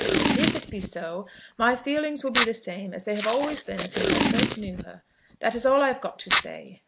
"If it be so, my feelings will be the same as they have always been since I first knew her. That is all that I have got to say."